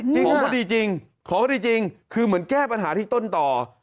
ของเขาดีจริงคือเหมือนแก้ปัญหาที่ต้นต่อ